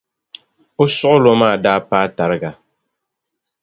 O suɣilo maa daa paai tariga.